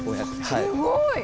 すごい！